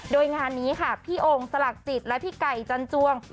โดยงานนี้ค่ะพี่โอ่งสลักจิตและพี่ไก่จันจวง